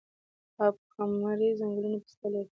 اب کمري ځنګلونه پسته لري؟